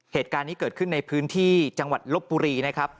เหตุการณ์นี้เกิดขึ้นในพื้นที่จังหวัดลบบุรีนะครับ